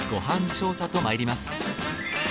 調査とまいります。